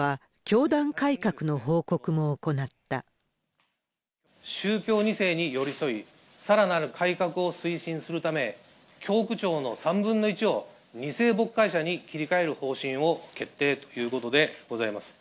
会見では、宗教２世に寄り添い、さらなる改革を推進するため、教区長の３分の１を２世牧会者に切り替える方針を決定ということでございます。